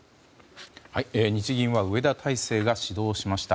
日銀は植田体制が始動しました。